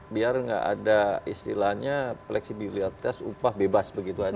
biar tidak ada istilahnya fleksibilitas upah bebas begitu saja